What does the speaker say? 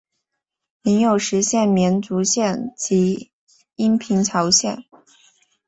领有实县绵竹县及阴平侨县。